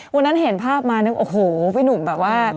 วันนั้นเห็นภาพมานึกโอ้โหพี่หนุ่มแบบว่า